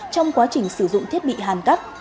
trong quá trình sử dụng thiết bị hàn cấp